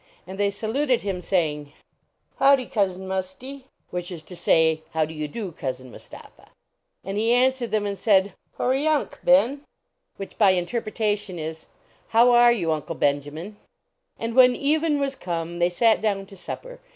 And they saluted him, saying, " Howdicuznmusti?" which is to say, " I Jou do you do, Cousin Mustapha?" And he answered them and said, " Horry Yunk Hen?" which by interpretation is, " How an you, Uncle Benjamin?" And when even was come they sat down to supper.